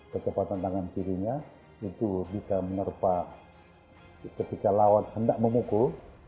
ketepatan tangan kirinya itu bisa menerpa ketika lawan hendak memukul